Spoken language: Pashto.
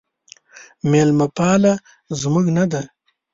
میلمه پاله زموږ نه ده